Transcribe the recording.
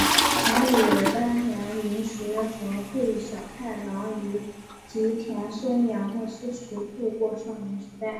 曾与坂田银时和桂小太郎于吉田松阳的私塾度过少年时代。